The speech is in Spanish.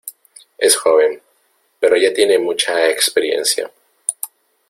Es joven, pero ya tiene mucha experiencia.